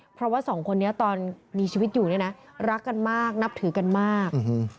เพราะว่า๒คนนี้ตอนมีชีวิตอยู่รักกันมากนับถือกันมาก